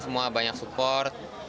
semua banyak support